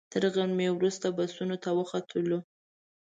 تر غرمې وروسته بسونو ته وختلو.